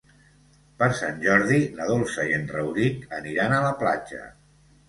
Per Sant Jordi na Dolça i en Rauric aniran a la platja.